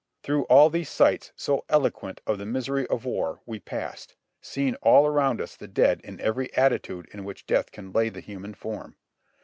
Through all these sights, so eloquent of the misery of war, we passed, see ing all around us the dead in every attitude in which death can lay the human form.